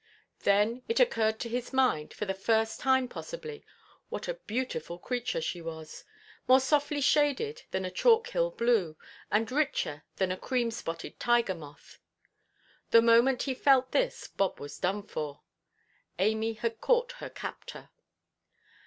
Then it occurred to his mind, for the first time possibly, what a beautiful creature she was, more softly shaded than a Chalk–hill blue, and richer than a cream–spotted tiger–moth! The moment he felt this Bob was done for; Amy had caught her captor.